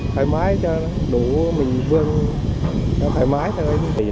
thoải mái cho nó đủ mình vương thoải mái thôi